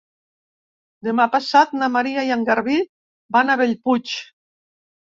Demà passat na Maria i en Garbí van a Bellpuig.